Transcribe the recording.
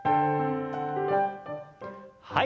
はい。